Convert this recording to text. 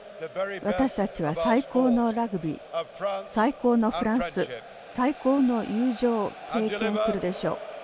私たちは最高のラグビー最高のフランス最高の友情を経験するでしょう。